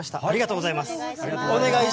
ありがとうございます。